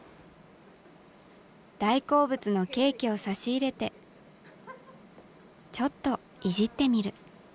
大好物のケーキを差し入れてちょっといじってみる。